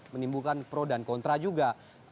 menimbulkan pro dan kontra juga